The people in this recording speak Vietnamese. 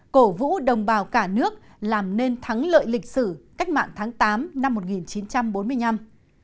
cổ vũ đồng bào cả nước làm nên thắng lợi lịch sử cách mạng tháng tám năm một nghìn chín trăm bốn mươi năm